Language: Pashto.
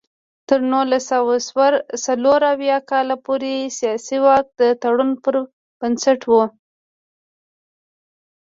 تر نولس سوه څلور اویا کال پورې سیاسي واک د تړون پر بنسټ و.